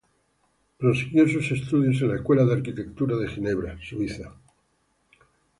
Prosiguió sus estudios en la Escuela de Arquitectura de Ginebra, Suiza.